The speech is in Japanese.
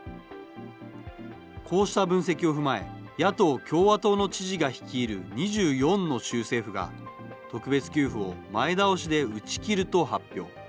こうした分析を踏まえ、野党・共和党の知事が率いる２４の州政府が、特別給付を前倒しで打ち切ると発表。